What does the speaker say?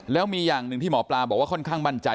แล้วมีอย่างหนึ่งที่หมอปลาบอกว่าค่อนข้างมั่นใจ